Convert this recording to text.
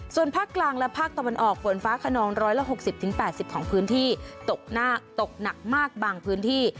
ส่วนภาคกลางและภาคตะวันออกฝนฟ้าขนอง๑๖๐๘๐ของพื้นที่ตกหน้าตกหนักมากบางพื้นที่